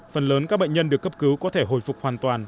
phần lớn các bệnh nhân được cấp cứu có thể hồi phục hoàn toàn